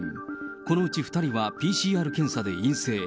このうち２人はＰＣＲ検査で陰性。